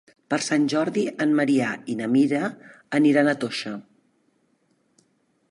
Per Sant Jordi en Maria i na Mira aniran a Toixa.